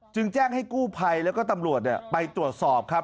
จึงแจ้งให้กู้ภัยแล้วก็ตำรวจไปตรวจสอบครับ